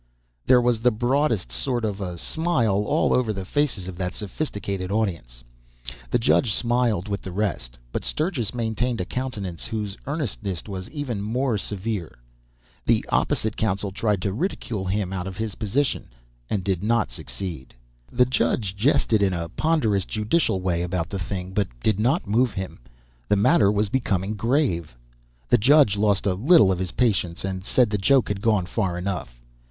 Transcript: There was the broadest sort of a smile all over the faces of that sophisticated audience. The judge smiled with the rest. But Sturgis maintained a countenance whose earnestness was even severe. The opposite counsel tried to ridicule him out of his position, and did not succeed. The judge jested in a ponderous judicial way about the thing, but did not move him. The matter was becoming grave. The judge lost a little of his patience, and said the joke had gone far enough.